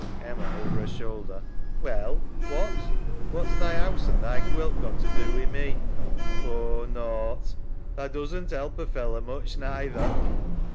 EMMA (over her shoulder). Well, what? What's thy 'ouse an' thy quilt to do wi' me? SAM. Oh nought. ... Tha doesn't 'elp a feller much, neither.